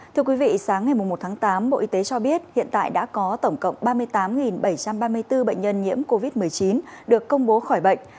thưa quý vị sáng ngày một tháng tám bộ y tế cho biết hiện tại đã có tổng cộng ba mươi tám bảy trăm ba mươi bốn bệnh nhân nhiễm covid một mươi chín được công bố khỏi bệnh